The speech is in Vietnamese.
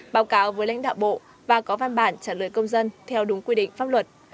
báo cáo với lãnh đạo bộ và có văn bản trả lời công dân theo đúng quy định pháp luật